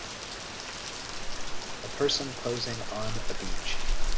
A person posing on a beach